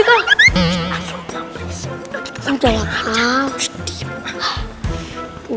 kita lang jangan lupa